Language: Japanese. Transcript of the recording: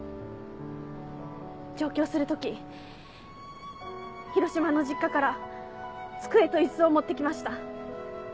上京する時広島の実家から机と椅子を持って来ました。